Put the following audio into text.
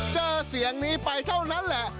เจอเสียงนี้ไปเท่านั้นแหละ